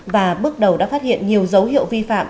và bước đầu đã phát hiện nhiều dấu hiệu vi phạm